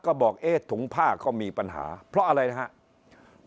ก็บอกเอ๊ะถุงผ้าก็มีปัญหาเพราะอะไรนะครับ